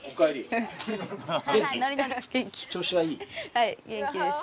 はい元気です